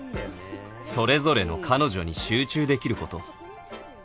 それぞれの彼女に集中できること